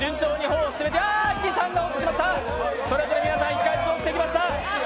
それぞれ皆さん、１回ずつ落ちていきました。